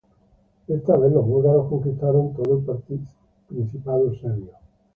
Esta vez los búlgaros conquistaron todo el principado serbio.